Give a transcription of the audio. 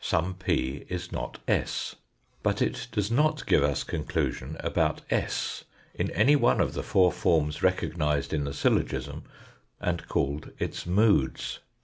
Some P is not s. But it does not give us conclusion about s in any one of the four forms recognised in the syllogism and called its moods.